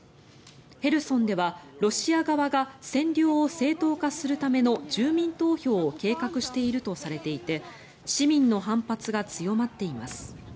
ヘルソンではロシア側が占領を正当化するための住民投票を計画しているとされていて市民の反発が強まっています。